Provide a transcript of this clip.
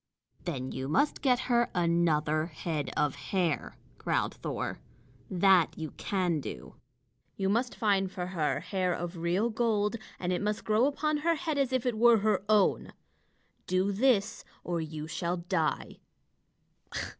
"Then you must get her another head of hair," growled Thor. "That you can do. You must find for her hair of real gold, and it must grow upon her head as if it were her own. Do this, or you shall die."